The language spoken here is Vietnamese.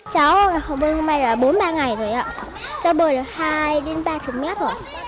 cháu học bơi hôm nay là bốn ba ngày rồi ạ cháu bơi được hai ba mươi mét rồi